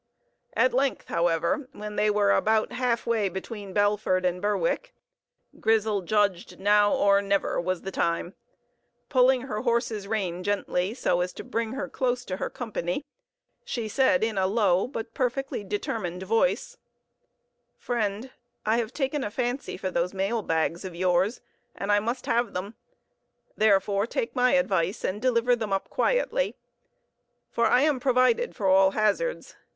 At length, however, when they were about half way between Belford and Berwick, Grizel judged now or never was the time. Pulling her horse's rein gently so as to bring her close to her company, she said in a low but perfectly determined voice "Friend, I have taken a fancy for those mail bags of yours, and I must have them: therefore take my advice, and deliver them up quietly, for I am provided for all hazards.